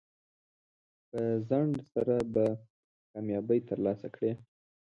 په ځنډ سره به کامیابي ترلاسه کړئ.